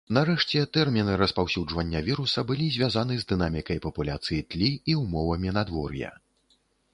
Нарэшце, тэрміны распаўсюджвання віруса былі звязаны з дынамікай папуляцыі тлі і ўмовамі надвор'я.